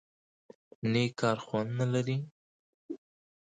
_نېک کار خوند نه لري؟